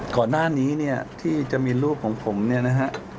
ก่อนหน้านี้เนี่ยที่จะมีรูปของผมเนี่ยนะฮะ